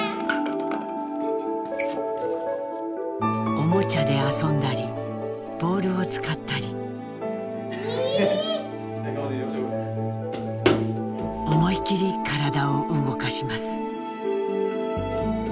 おもちゃで遊んだりボールを使ったり思い切り体を動かします。